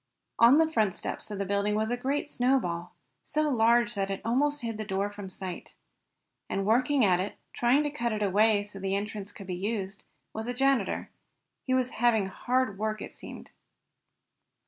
On the front steps of the building was a great snowball, so large that it almost hid the door from sight. And working at it, trying to cut it away so that the entrance could be used, was the janitor. He was having hard work it seemed.